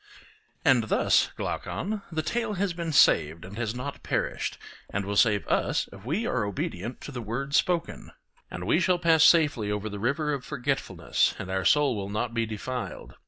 And thus, Glaucon, the tale has been saved and has not perished, and will save us if we are obedient to the word spoken; and we shall pass safely over the river of Forgetfulness and our soul will not be defiled.